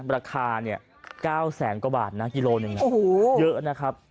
ราคาเนี่ย๙๐๐๐๐๐กว่าบาทนะกิโลนึงนะโอ้โหเยอะนะครับ